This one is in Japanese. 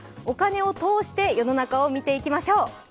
お金を通して世の中を見ていきましょう。